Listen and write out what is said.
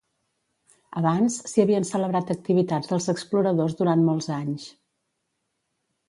Abans, s'hi havien celebrat activitats dels exploradors durant molts anys.